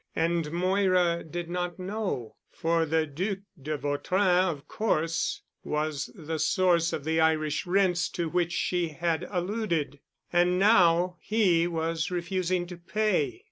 And Moira did not know, for the Duc de Vautrin, of course, was the source of the Irish rents to which she had alluded. And now he was refusing to pay.